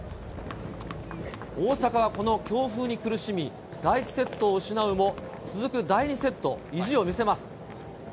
大坂はこの強風に苦しみ、第１セットを失うも、続く第２セット、意地を見せます。